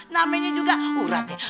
namanya juga uratnya